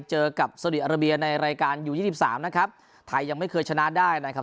เจอกับในรายการยูยี่สิบสามนะครับไทยยังไม่เคยชนะได้นะครับ